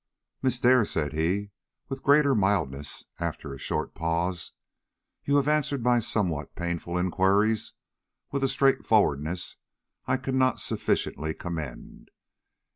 "Miss Dare," said he, with greater mildness, after a short pause, "you have answered my somewhat painful inquiries with a straightforwardness I cannot sufficiently commend.